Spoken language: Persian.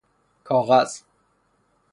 کاغذ